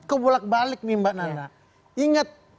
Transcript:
kebulak balik nih mbak nanda inget